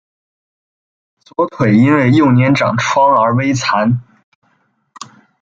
左腿因为幼年长疮而微残。